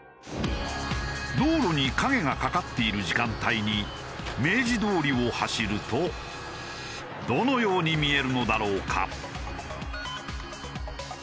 道路に影がかかっている時間帯に明治通りを走るとどのように見えるのだろうか？